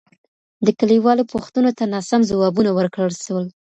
د کليوالو پوښتنو ته ناسم ځوابونه ورکړل سول.